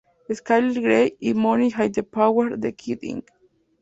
Skylar Grey y ""Money and the Power"" de Kid Ink.